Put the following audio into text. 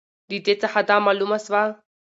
د دې څخه دا معلومه سوه